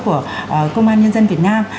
của công an nhân dân việt nam